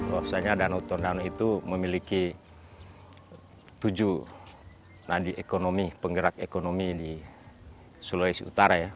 bahwasannya danau tondano itu memiliki tujuh nadie ekonomi penggerak ekonomi di sulawesi utara ya